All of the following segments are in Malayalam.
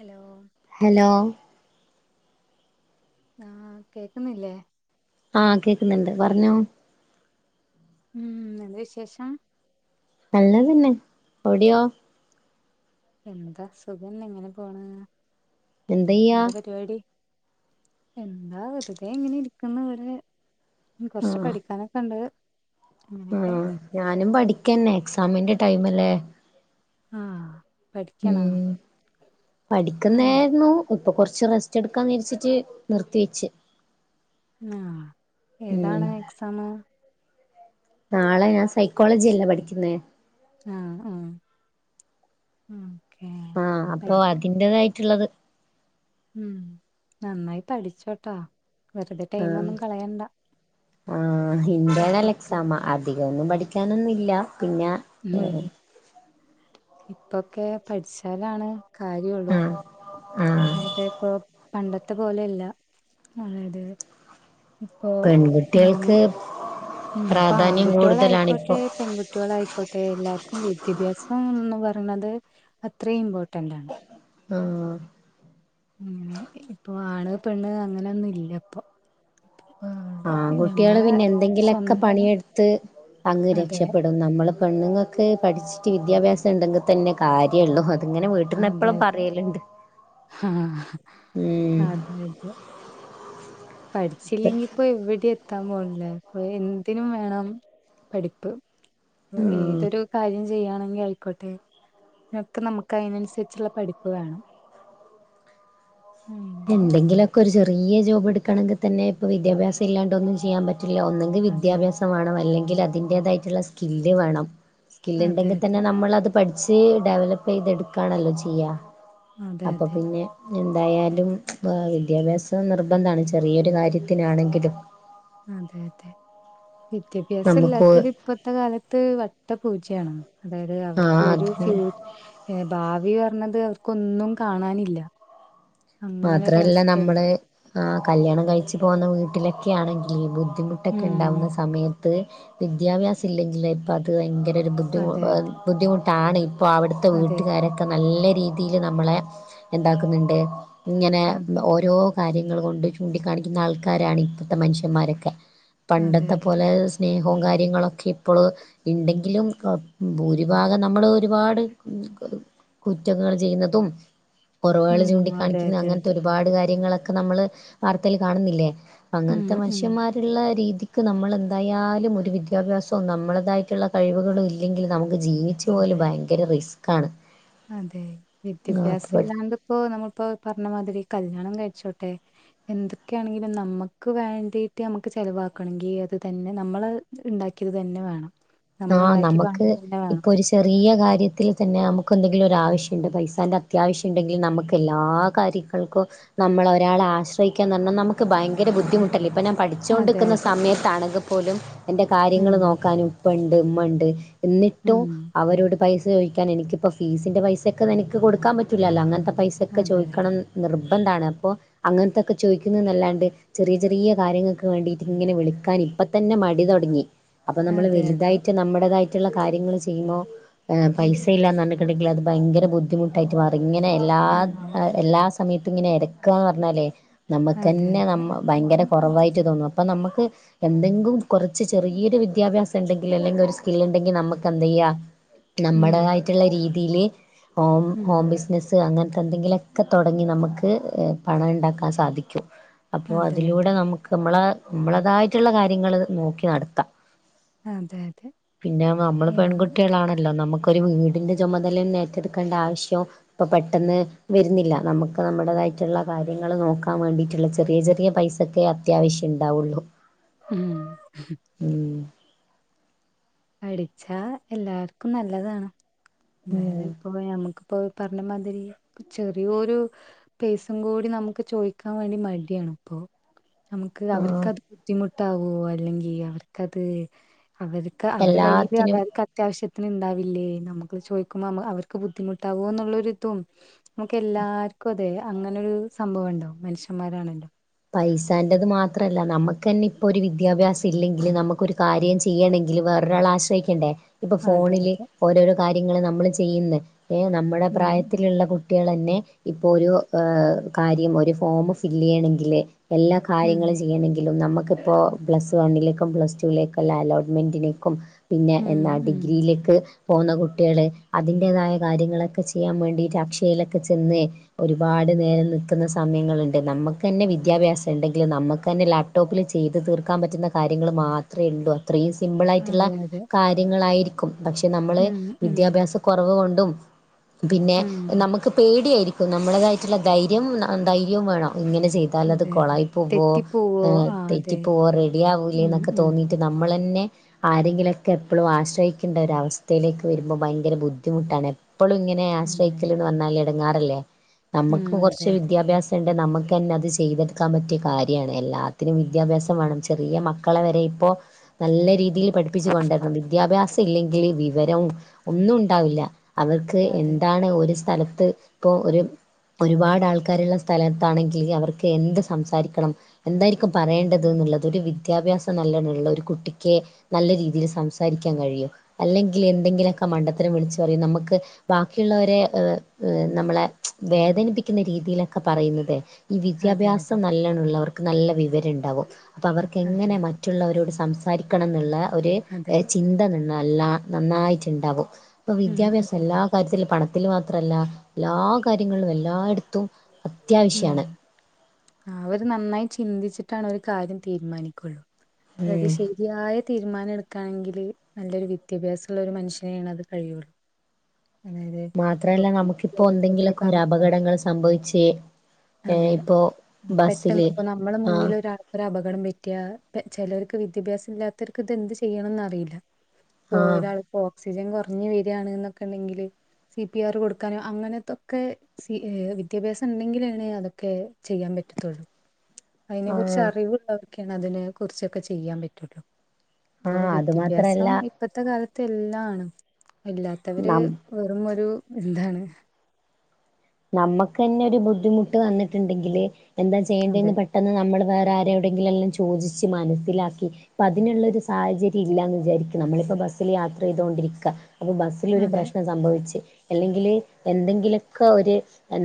ഹലോ ഹെലോ ആ കേക്കുന്നില്ലേ ആ കേക്കുന്ന്ണ്ട് പറഞ്ഞോ ഉം എന്താ വിശേഷം നല്ലതന്നെ അവിടെയോ എന്താ സുഖന്നെ ഇങ്ങനെ പോണ് എന്തെയ്യാ എന്താ പരിപാടി എന്താ വെറുതെ ഇങ്ങനെ ഇരിക്കുന്നു വിടെ കൊറച്ച് പഠിക്കാനൊക്കെണ്ട് ഉ ഞാനും പഠിക്കന്നെ എക്സാമിന്റെ ടൈമല്ലേ ആ ഉം ആഹ് പഠിക്കുന്നേയിര്ന്നു അപ്പൊ കൊറച്ച് റെസ്റ്റ് എടുക്കാന്ന് വിചാരിച്ചിട്ട് നിർത്തി വെച്ച് ആ ഉം ഏതാണ് എക്സാമ് നാളെ ഞാൻ സൈക്കോളജി അല്ലേ പഠിക്കുന്നേ ആ ആ മ് ആ അപ്പൊ അതിന്റെതായിട്ടുള്ളത് ഉം നന്നായി പഠിച്ചോട്ടോ വെറുതെ ആ ടൈം ഒന്നും കളയണ്ട ആ ഇന്റേണൽ ഇപ്പൊക്കെ എക്സാമ അതി കൊന്നും പഠിക്കാനൊന്നു ഇല്ല പിന്നെ ഏ ഉം ഇപ്പൊക്കെ പഠിച്ചാലാണ് കാര്യള്ളൂ ആഹ് ആഹ് അതായത് ഇപ്പൊ പണ്ടത്തെ പോലെയല്ല അതായത് ഇപ്പൊ നം പെൺകുട്ടികൾക്ക് ഇപ്പൊ പ്രാധാന്യം ആൺകുട്ടികളായിക്കോട്ടെ കൂടുതലാണിപ്പോ പെൺകുട്ടികളായിക്കോട്ടെ എല്ലാർക്കും വിദ്യാഭ്യാസം ഒന്ന് പറ ന്നത് അത്രയും ഇമ്പോർട്ടെൻ്റാണ് ആഹ് ഇപ്പോ ആണ് പെണ്ണു അങ്ങനെന്നും ഇല്ലപ്പൊ ആൺകുട്ടികള് പിന്നെ എന്തെങ്കിലുമൊക്കെ സ്വന്തം പണിയെടുത്ത് അങ്ങ് അതെ രക്ഷപ്പെടും നമ്മൾ പെണ്ണുങ്ങൾക്ക് പഠിച്ചിട്ട് വിദ്യാഭ്യാസം ഉണ്ടെങ്കിൽ തന്നെ കാര്യേള്ളൂ അങ്ങനെ വീട്ടിൽന്ന് അതെ എപ്പളും അതെ പറയലണ്ട് ആഹ് അതെ അതെ പഠിച്ചില്ലെങ്കിപ്പൊ എവിടെത്ത ത്താൻ പോണില്ല അപ്പൊ എന്തിനും വേണം പഠിപ്പ് ഉം ഏതൊരു കാര്യം ചെയ്യണെങ്കിൽ ആയിക്കോട്ടെ അയ്നൊക്കെ നമുക്ക് അയ്നന്സര്ച്ചുള്ള പഠിപ്പ് വേണം അങ്ങനെ എന്തെങ്കിലൊക്കെ ഒരു ചെറിയ ജോബ് എടുക്കണങ്കിൽ തന്നെ ഇപ്പൊ വിദ്യാഭ്യാസല്ലാണ്ട് ഒന്നും ചെയ്യാൻ പ റ്റില്ല ഒന്നെങ്കിൽ അതെ വിദ്യാഭ്യാസം വേണം അല്ലെങ്കിൽ അതിൻ്റേതായിട്ട്ള്ള സ്കില്ല് വേണം അതെ സ്കില്ണ്ടെങ്കിൽ തന്നെ അതെ നമ്മൾ അത് പഠിച്ച് ഡെവലപ്പ് ചെയ്തെട്ക്കാണല്ലോ ചെയ്യാ അതെ അപ്പൊ അതെ പിന്നെ എന്തായാലും വിദ്യാഭ്യാസം നിർബന്ധാണ് ചെറിയൊരു കാര്യത്തിനാണെങ്കിലും അതെ അതെ വിദ്യാഭ്യാസ നമുക്ക് ഇല്ലാത്തവര് ഇപ്പത്തെ കാലത്ത് വട്ടപൂ ജ്യാണ് അതായത് ആ അവർക്ക് ഒര് അതന്നെ ഫ്യൂ ഭാവി വി പറഞ്ഞത് അവർക്കൊന്നും കാണാനില്ല അങ്ങനെ മാത്രല്ല ഒരവസ്ഥയാണ് നമ്മള് ആ കല്യാണം കഴിച്ചു പോകുന്ന വീട്ടിലൊക്കെ ആണെങ്കിൽ ഈ ബുദ്ധി ബുദ്ധിമുട്ടൊക്കെ ഉം ഉണ്ടാവുന്ന സമയത്ത് വിദ്യാഭ്യാസം ഇല്ലെങ്കിൽ ഇപ്പം അത് ഭയങ്കര അതെ അതെ [unintelligible] ബുദ്ധിമുട്ടാണ് ഇപ്പോ അവിടുത്തെ അതെ വീട്ടുകാരൊക്കെ നല്ലെ രീതിയിൽ നമ്മളെ എന്താക്കുന്നുണ്ട് ഇങ്ങനെ അതെ ഓരോ കാര്യങ്ങൾ കൊണ്ട് ചൂണ്ടിക്കാണിക്ക്ന്ന ആൾക്കാരാണ് ഇപ്പത്തെ മനുഷ്യന്മാരൊക്കെ അതെ പണ്ടത്തെ അതെ പോലെ സ്നേഹ വും കാര്യങ്ങളൊക്കെ ഇപ്പോൾ ഇണ്ടെങ്കിലും ഭൂരിഭാഗം നമ്മൾ ഒരുപാട് കുറ്റങ്ങൾ ചെയ്യുന്നതും കുറവുകൾ ഉം അതെ ചൂണ്ടിക്കാണിക്കുന്നു അതെ അങ്ങനത്തെ അതെ ഒരുപാട് കാര്യങ്ങളൊക്കെ നമ്മള് വാർത്തയിൽ കാണുന്നില്ലേ ഉം അങ്ങനത്തെ ഉം മനുഷ്യന്മാരുള്ള രീതി ക്ക് നമ്മൾ എന്തായാലും ഒരു വിദ്യാഭ്യാസവും നമ്മളേതായിട്ടുള്ള കഴിവുകളൾ ഇല്ലെങ്കിൽ നമുക്ക് ജീവിച്ചൊവല് അതെ ഭയങ്കര റിസ്കാണ് അതെ വിദ്യാഭ്യാസം ഇല്ലാണ്ട് ഇപ്പോ നമ്മളിപ്പോ പറഞ്ഞമാതിരി കല്ല്യാണം കഴിച്ചോട്ടെ എന്തൊക്കെയാണെങ്കിലും നമ്മുക്ക് വേണ്ടീട്ട് നമ്മുക്ക് ചിലവാ ക്കണെങ്കിൽ അത് തന്നെ നമ്മൾ ഉണ്ടാക്കിയത് തന്നെ വേണം ആഹ് നമുക്ക് ഇപ്പൊ ഒരു ചെറിയ കാര്യത്തിൽ തന്നെ നമുക്ക് നമുക്കന്തെങ്കിലും ഒരാ വശ്യമുണ്ട് പൈസാന്റെ അത്യാവശ്യം ഉണ്ടെങ്കിൽ നമുക്ക് എല്ലാ കാര്യങ്ങൾക്കും നമ്മള് ഒരാള് ആശ്രയിക്കന്ന് പറഞ്ഞാൽമുക്ക് ഭയങ്കര ബുദ്ധിമുട്ടല്ലേ ഇപ്പ അതെ പഠിച്ചോണ്ടിരിക്കുന്ന അതെ സമയത്താണങ്കിൽ പോലും എന്റെ കാര്യങ്ങള്ൾ ഉം നോക്കാൻ ഉപ്പണ്ട് ഉമ്മണ്ട് ന്നിട്ടും ഉം അവരോട് പൈസ ചോയ്ക്കാൻ എനിക്കിപ്പോ ഫീസിന്റെ പൈസയൊക്കെ എനിക്ക് കൊടുക്കാൻ പറ്റൂല്ലല്ലോ അങ്ങനത് പൈസൊക്കെ അതെ ചോദിക്കണം അതെ നിർ ഇന്താണ് അപ്പോ അങ്ങനത്തൊക്കെ ചോദിക്കുന്നതല്ലാണ്ട് ചെറിയ ചെറിയ കാര്യങ്ങൾക്ക് വേണ്ടിയിട്ട് ഇങ്ങനെ വിളിക്കാനാരി അപ്പ തന്നെ മടി തുടങ്ങി അപ്പൊ നമ്മള് അതെ അതെ വലുതായിട്ട് നമ്മുടേതായിട്ടുള്ള കാര്യങ്ങൾ ചെയ്യുമ്പോൾ ഉം പൈസയിലല്ലാ ന്നർഞ്ഞ് അത് ഭയങ്കര ബുദ്ധിമുട്ടായിട്ട് മാറി ഇങ്ങനെ എല്ലാ അതെ എല്ലാ സമയത്ത് ഇങ്ങനെ എരക്കാന്ന് പറഞ്ഞാലേ അതെ നമുക്ക്ന്നെ ന അതെ ഭയങ്കര കുറവായിട്ട് തോന്നും അപ്പൊ നമുക്ക് എന്തെങ്കും കുറച്ച് ചെറിയൊരു വിദ്യാഭ്യസം ഉണ്ടെങ്കി അല്ലെങ്കിൽ ഒരു സ്കിൽ ഉണ്ടെങ്കിൽ നമുക്ക് എന്തയ്യ ഉം നമ്മുടെതായിട്ടുള്ള രീതിൽ ഹോം ഉം ഹോം ബിസിനസ്സ് അങ്ങനെ എന്തെങ്കിലൊക്കെ തൊടങ്ങി നമുക്ക് പണം ഉണ്ടാക്കാൻ സാധിക്കും അപ്പൊ അതെ അതിലൂടെ അതെ നമുക്ക് മ്മളെ മ്മളതായിട്ടുള്ള കാര്യങ്ങള് നോക്കി നടത്താം അതെ അതെ പിന്നെ നമ്മള് ഉം പെൺകുട്ടികളാണല്ലോ നമ്മുക്ക് ഒരു വീടിന്റെ ചുമതല ഏറ്റെടുക്കേണ്ട ആവശ്യാം ഇപ്പ പെട്ടെന്ന് വരുന്നില്ല നമുക്ക് നമ്മുടെതാ യിട്ടുള്ള കാര്യങ്ങള് നോക്കാൻ വേണ്ടിട്ടുള്ള ചെറിയ ചെറിയ പൈസക്കെ അത്യാവശ്യം ഉണ്ടാവുള്ളു ഉം പടിച്ചാ എല്ലാർക്കും നല്ലതാണ് അതായത് ഉം ഇപ്പോ നമ്മുക്ക് ഇപ്പോൾ പറഞ്ഞമാതിരി ചെറിയൊരു പേസും കൂടി നമുക്ക് ചോദിക്കാൻ വേണ്ടി മടിയാണ് അപ്പോ നമുക്ക് ആ അവർക്കത് ബുദ്ധിമുട്ടാവോ അല്ലെങ്കിൽ അവർക്കത് അവർ അവരു കയ്യിയില് എല്ലാത്തിനും അവർക്ക് അത്യാവശ്യത്തി ണ്ടാവില്ലേ നമ്മുക്ക് ചോദിക്കുമ്പോ അവർക്ക് ബുദ്ധിമുട്ടാവോ എന്നുള്ളരിതും നമുക്ക് എല്ലാര് ക്കും അതെ അങ്ങനെരു സംഭവംണ്ടോ മനുഷ്യന്മാരാണല്ലോ പൈസെന്ടെത് മാത്രമല്ല നമുക്ക് തന്നെ ഇപ്പോൾ ഒരു വിദ്യാഭ്യാസം ഇല്ലെങ്കിൽ നമുക്കൊരു കാര്യം ചെയ്യണമെങ്കിൽ വേറൊരാളാശ്രയിക്കണ്ടേ ഇപ്പൊ അതെ ഫോണില് അതെ ഓരോരോ കാര്യങ്ങള് നമ്മള് ചെയ്യുന്ന് ഏ നമ്മുടെ ഉം പ്രായത്തിലുള്ള കുട്ടികൾന്നെ ഇപ്പൊ ഒരു കാര്യം ഒരു ഫോം ഫില്ല് ചെയ്യണെങ്കില് എല്ലാ ഉം കാര്യങ്ങളും ചെയ്യണെങ്കിലും നമുക്ക് മുക്ക്പ്പോ പ്ലസ് വണ്ണിലേക്കും പ്ലസ് ടുൂിലേക്കും അല്ല അലോട്ട്മെന്റിനേക്കും പിന്നെ ഉം എന്നാ ഉം ഡിഗ്രിയിലേക്ക് പോകുന്ന കുട്ടികൾ അതിന്റേതായ കാര്യങ്ങളൊക്കെ ചെയ്യാൻ വേണ്ടിട്ട് അക്ഷയിലൊക്കെ ചെന്ന് ഒരുപാട് നേരെം നിക്കുന്ന സമയങ്ങളുണ്ട് നമുക്ക് തന്നെ വി വിദ്യാഭ്യാസം ഉണ്ടെങ്കിൽ നമുക്ക് തന്നെ ലാപ്ടോപ്പിൽ ചെയ്ത് തീർക്കാൻ പറ്റുന്ന കാര്യങ്ങൾ മാത്രമേ ഉള്ളൂ ത്രയും സിമ്പിൾ ആയിട്ടുള്ള അതെ അതെ കാര്യങ്ങളായിരിക്കും പക്ഷെ നമ്മള് ഉം ഉം വിദ്യാഭ്യാസ കുറവ് കൊണ്ട് പിന്നെ ഉം നമുക്ക് പേടിയായിരിക്കും നമ്മളേതായിട്ടുള്ള ധൈര്യം ധര്യവും വേണം ഇങ്ങനെചെ ചെയ്താൽ അത് അതെ അതെ കൊളായി പോൂവോ തെറ്റിപ്പോവോ ആ അതെ തെറ്റിപ്പോവോ റെഡി ആവൂലേ ഉം എന്നൊക്കെ ഉം തോന്നീട്ട് നമ്മളെന്നെ ആരെങ്കിലുക്കെ എപ്പളും ആശ്രയിക്കേണ്ട ഒര അവസ്ഥയിലേക്ക് വരുമ്പോൾ ഭയങ്കര ബുദ്ധിമുട്ടാണ് എപ്പോളുംങ്ങനെ അതെ ആശ്രയിക്കലന്ന് അതെ പർഞാൽ ഇടങ്ങാറല്ലേ ഉം നമുക്ക് അതെ കുറച്ച് അതെ വിദ്യാഭ്യാസംണ്ടേ നമുക്ക് തന്നെ അത് ചെയ്തെടുക്കാൻ പറ്റിയ കാര്യാണ് എല്ലാത്തിനും വിദ്യാഭ്യാസം വേണം ചെറിയ മക്കളെ വരെ ഇപ്പോ നല്ല രീതി രീതിയിൽ പഠിപ്പിച്ച് കൊണ്ടരണം വിദ്യാഭ്യാസം ഇല്ലെങ്കിൽ വിവരം ഒന്നും ഉണ്ടാവില്ല അവർക്ക് അതെ എന്താണ് ഒരു സ്ഥലം ഇപ്പോ ഒരു ഒരുപാട് ആൾക്കാരുള്ള സ്ഥലത്താണെങ്കിൽ അവർക്ക് എന്ത് സംസാരിക്കണം എന്തായിരിക്കും പറയേണ്ടത് ഉം എന്നുള്ളത് ഒരു വി വിദ്യാഭ്യാസം നല്ലോണംള്ള ഒരു കുട്ടിക്ക് നല്ല രീതിയിൽ സംസാരിക്കാൻ കഴിയോ അല്ലെങ്കിൽ എന്തെങ്കിലോക്ക മണ്ടത്തരം വിളിച്ചു പറയും നമുക്ക് ബാക്കിയുള്ളവരെ നമ്മളെ വേദനിപ്പിക്കുന്ന രീതി തിയിലൊക്കെ പറയുന്നുന്നത് അതെ അതെ വിദ്യാഭ്യാസം നല്ലണംള്ളവർക്ക് നല്ല വിവരണ്ടാവും പ്പോ അവർക്ക് അതെ എങ്ങനെ മറ്റുള്ളവരോട് സംസാരിക്ക ണം ന്നുള്ള ഒരു അതെ ചിന്ത നിന്നല്ല നന്നായിട്ടുണ്ടാവും ഇപ്പൊ ഉം വിദ്യാഭ്യാസം ഉം എല്ലാ കാര്യത്തിലും പണത്തില് മാത്രല്ല എല്ലാ കാര്യങ്ങളും എല്ലായിടത്തും ഉം അത്യാവശ്യമാണ് അവര് നന്നായി ചിന്തിച്ചിട്ടാണ് ഒരു കാര്യം തീരുമാനിക്കുള്ളൂ അതത് ഉം ശരിയായ രീ തീരുമാനം എടുക്കാണെങ്കില് നല്ലൊരു വിദ്യാഭ്യാസള്ള ഒരു മനുഷ്യനെയാണ് അത് കഴിയുള്ളൂ അതായത് ഇപ്പൊ മാത്രല്ല നമുക്കിപ്പോ ആയിക്കോട്ടെ ഈ എന്തെങ്കിലൊക്കെ ഒരു പറഞ്ഞ പോലെ അപകടങ്ങൾ സംഭവിച്ചേ അതെ പെട്ടെന്ന്പ്പോ നമ്മളെ ആഹ് മുന്നിൽ ഒരാൾക്കരു അപകടം പറ്റിയ ചിലവർക്ക് വിദ്യാഭ്യാസം ഇല്ലാത്തവർക്ക് ഇതെന്ത്ചെയ്യണംന്ന് അറിയില്ല ഇപ്പൊ ആഹ് ഒരാൾ സിജൻ കുറഞ്ഞു വരാണ്ന്നൊ ക്കെണ്ടെങ്കില് സി പി ആർ കൊടുക്കാനോ അങ്ങനത്തൊക്കെ സ വിദ്യാഭ്യാസം ഉണ്ടെങ്കിലാണ് അതൊക്കെ ചെയ്യാൻറ്റ ത്തു അതിനെ കുറിച്ച് ആഹ് അറിവുള്ളോർക്കേ അതിനെ കുറിച്ചൊക്കെ ചെയ്യാൻ പറ്റുള്ളൂ ഇപ്പൊ ആഹ് അത് മാത്രല്ല വിദ്യാഭ്യാസം ഇപ്പത്തെ കാലത്ത് എല്ലാണ് ഇല്ലാത്തവര് നം വെറും ഒരു എന്താണ് ഞമ്മക്കെന്നെ ഒരു ബുദ്ധിമുട്ട് വന്നിട്ടുണ്ടെങ്കില് എന്താ ചെയ്യേണ്ടന്ന് അതെ പെട്ടെന്ന് നമ്മള് വേ റാരോടെങ്കിലല്ലാം ചോദിച്ച് മനസ്സിലാക്കി ഇപ്പതിനുള്ളൊരു സാഹചര്യില്ലാന്ന് വിചാരിക്ക് നമ്മളിപ്പോ ബസ്സില് യാത്ര ചെയ്തൊണ്ടിരിക്ക അപ്പൊ ബസ്സിലൊരു അതെ പ്രശ്നം സംഭവിച്ച് എല്ലെങ്കില് എന്തെങ്കിലൊക്കെ ഒര്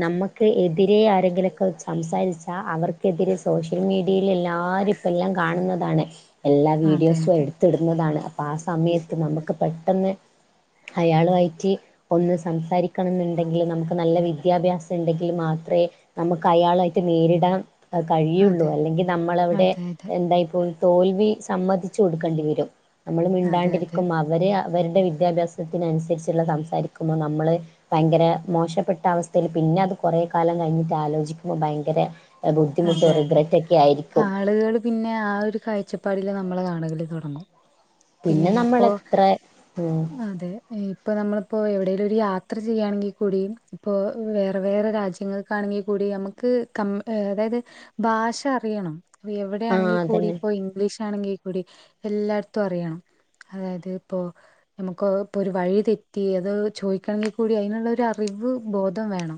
നമ്മക്ക് എതിരെ ആരെങ്കിലൊക്കെ സംസാരിച്ചാ അവർക്കെതിരെ സോഷ്യൽ മീഡിയയിലെല്ലാ രുപ്പോ എല്ലാം കാണുന്നതാണ് എല്ലാ അതെ വീഡിയോസു അതെ എട്ത്തിടുന്നതാണ് അപ്പൊ ആ സമയത്ത് നമ്മക്ക് പെട്ടെന്ന് അയാളുവായിട്ട് ഒന്ന് സംസാരിക്കണംന്ന്ണ്ടെങ്കില് നമ്മക്ക് നല്ല വി ദ്യാഭ്യാസണ്ടെങ്കില് മാത്രേ നമ്മക്ക് അയാളായിട്ട് നേരിടാൻ കഴിയുള്ളൂ അതെ അല്ലെങ്കിൽ നമ്മളവിടെ അതെ എന്തായ്പ്പോയ് തോൽവി സമ്മതിച്ചു കൊടുക്കണ്ടി വരും നമ്മള് അതെ അതെ അതെ മിണ്ടാണ്ടിരിക്കും അവരെ അവര്ടെ വിദ്യാഭ്യാസത്തിനനുസരിച്ചുള്ള സംസാരിക്കുമ്പോ നമ്മള് ഭയങ്കര മോശപ്പെട്ട അവസ് തേല് പിന്നെ അത് കുറേ കാലം കഴിഞ്ഞിട്ട് ആലോചിക്കുമ്പോ ഭയങ്കര ബുദ്ധിമുട്ടോ അതെ അതെ റിഗ്രറ്റ് ഒക്കെ ആയിരിക്കും ആള്കൾ പിന്നെ ആ ഒരു കാഴ്ചപ്പാടി ല് നമ്മളെ കാണലു തൊടങ്ങു പിന്നെ ഇപ്പോ ഉം അതെ ഇ പ്പോ നമ്മളിപ്പോ എവിടെേലൊരു യാത്ര ചെയ്യാണെങ്കി കൂടിം ഇപ്പോ വേറെ വേറെ രാജ്യങ്ങക്കാണെങ്കി കൂടി അമ്മക്ക് അതായത് ഭാഷ അറിയണം ആഹ് എവിടെയാണെങ്കി അതന്നെ കൂടിപ്പോ ഇംഗ്ലീഷ് ആണെങ്കിൽ കൂടി എല്ലാട്ത്തും അറിയണം. അതായത് ഇപ്പോ ഞമ്മക്ക് ഇപ്പൊരു വഴി തെറ്റി അത് ചോദിക്കണെങ്കിൽ കൂടി അതിനുള്ളൊരു അറി വ്വ് ബോധം വേണം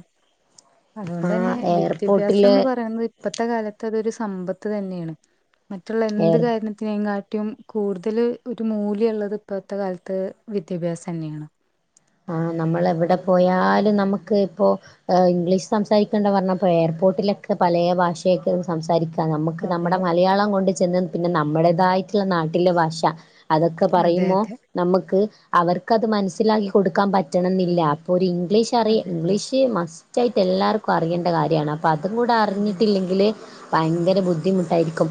ആ അതുകൊണ്ടെന്നെ എയർപോർട്ടില് വിദ്യാഭ്യാസംന്ന് പറയുന്നത് ഇപ്പോത്തെ കാലത്ത് അതൊരു സമ്പത്ത് തന്നെയാണ് മറ്റുള്ള എന്ത് എയർ കാര്യണത്തിനേകാ ട്ടും കൂടുതല് ഒരു മൂല്യള്ളത് ഇപ്പോഴത്തെ കാലത്ത് വിദ്യാഭ്യാസെന്നെയാണ്. ആ നമ്മളെവിടെ പോയാലു നമ്മക്ക് ഇപ്പോ ഇംഗ്ലീഷ് സംസാരിക്കണ്ട പറഞ്ഞപ്പേർ ബോട്ടിലൊക്കെ പലേ ഭാഷയെക്കാരു സംസാരിക്ക നമ്മക്ക് അതെ നമ്മടെ മലയാളം കൊണ്ട് ചെന്ന് പിന്നെ നമ്മുടേതായിട്ടുള്ള നാട്ടിലെ ഭാഷ അതൊക്കെ അതെ പറയുമ്പോ അതെ നമ്മക്ക് അവർക്കത് മനസ്സിലാക്കി കൊടുക്കാൻ പറ്റണെന്നില്ല. അപ്പൊ ര് ഇംഗ്ലീഷറി അതെ അതെ ഇംഗ്ലീഷ് മസ് റ്റായിട്ടു എല്ലാർക്കു അറിയേണ്ട കാര്യാണ്. അപ്പൊ അതും കൂടെ അതെ അറിഞ്ഞിട്ടില്ലെങ്കില് ഭയങ്കര ബുദ്ധിമുട്ടായിരിക്കും.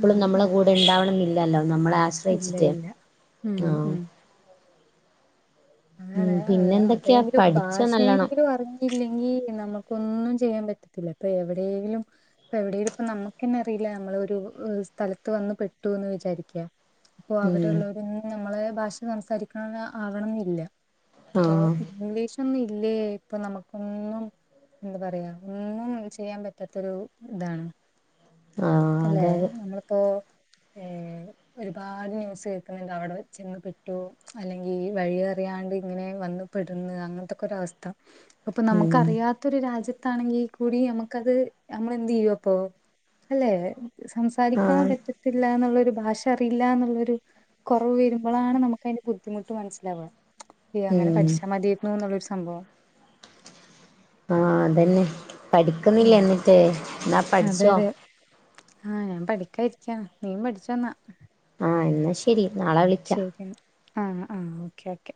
ഉം നമ്മളെ ഉം കൂടെ ഇണ്ടാവണംന്നില്ലല്ലോ. നമ്മളെ ഇല്ല ആശ്രയിച്ചിട്ട് ഇല്ല ഉം ആഹ് ആണ് ഉം പിന്നെ എന്തൊക്കെയാ അതേങ്കിലും പഠിച്ചോ നല്ലോണം ഭാഷയെങ്കിലും അറിഞ്ഞില്ലെങ്കി നമ്മുക്കൊന്നും ചെയ്യാൻ പറ്റത്തില്ല. ഇപ്പെ വിടേലും ഇപ്പൊ എവിടേലും ഇപ്പൊനമ്മക്കെന്നെ അറിയീല്ല നമ്മളൊരു സ്ഥലത്തു വ ന്ന് പെട്ടൂന്ന് വിചാരിക്ക പ്പൊ ഉം അവിടെള്ളോരൊന്നും മ്മളെ ഭാഷ സംസാരിക്കണംന്ന് ആവണംന്നില്ല. ഇപ്പൊ ആഹ് ഇംഗ്ലീഷൊന്നു ഇല്ലേ ഇപ്പൊ നമുക്കൊന്നും ന്താ പറയാ ഒന്നും ചെയ്യാൻ പറ്റാത്തൊരു ഇതാണ് ആഹ് അല്ലേ അതെ അതെ നമ്മളിപ്പോ ഏ ഒരുപാട് ന്യൂസ് കേക്ക്ന്ന്ണ്ട് അവിടെ ചെന്ന് പെട്ടു അല്ലെങ്കി വഴിയറിയാണ്ട് ഇങ്ങനെ വ ന്ന് പെട്ന്ന് അങ്ങനത്തെക്കൊര വസ്ഥ അപ്പൊ ഉം നമുക്കറിയാത്തൊര് രാജ്യ ത്താണെങ്കി കൂടി അമ്മക്കത് അമ്മളെന്തെയ്യൂ അപ്പൊ അല്ലേ സംസാരിക്കാൻ ആഹ് പറ്റത്തില്ല എന്നുള്ളൊര് രു ഭാഷ അറിയില്ലാന്നുള്ളൊരു കൊറവ് വരുമ്പൊളാണ് നമുക്ക് അയിന്റെ ബുദ്ധിമുട്ട് മനസ്സിലാവ. യാ അങ്ങനെ ഉം പടച്ചാ മതീർന്നുന്നൊള്ളൊരു സംഭവം ആ അതെന്നെ ഉം പഠിക്കുന്നില്ലെന്നിട്ട് ന്നാ പഠിച്ചോ. ആഹ ഞാൻ പഠിക്കാ ഇരിക്കാണ് നീം പഠിച്ചൊന്നാ ആ എന്നാ ശെരി നാളെ വിളിക്കാ ആഹ ആഹ ഓക്കെ ഓക്കെ